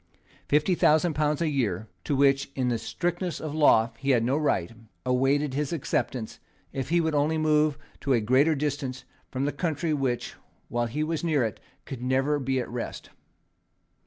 Fifty thousand pounds a year, to which in strictness of law he had no right, awaited his acceptance, if he would only move to a greater distance from the country which, while he was near it, could never be at rest.